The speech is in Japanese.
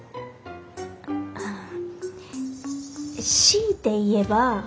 強いて言えば。